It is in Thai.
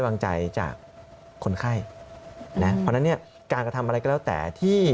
วางใจจากคนไข้นะเพราะฉะนั้นเนี่ยการกระทำอะไรก็แล้วแต่ที่